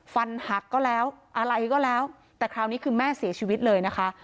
ฟันหักก็แล้วอะไรก็แล้วแต่คราวนี้คือแม่เสียชีวิตเลยนะคะ